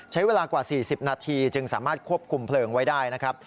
ใช้เวลากว่า๔๐นาทีจึงสามารถควบคุมเพลิงไว้ได้นะครับ